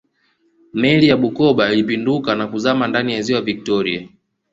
meli ya bukoba ilipinduka na kuzama ndani ya ziwa victoria